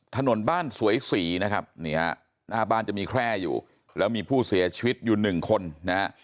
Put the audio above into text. ถนนบ้านสวยศรีนะครับเนี่ยหน้าบ้านจะมีแคร่อยู่แล้วมีผู้เสียชีวิตอยู่หนึ่งคนนะฮะ